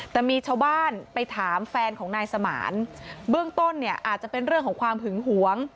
แต่มีชาวบ้านไปถามแฟนของนายสมานเบื้องต้นเนี่ยอาจจะเป็นเรื่องของความหึงหวง